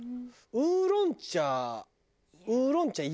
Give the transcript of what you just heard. ウーロン茶。